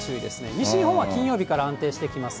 西日本は金曜日から安定してきます。